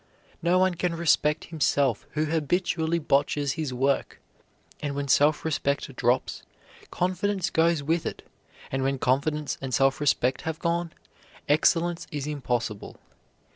No one can respect himself who habitually botches his work, and when self respect drops, confidence goes with it; and when confidence and self respect have gone, excellence is impossible.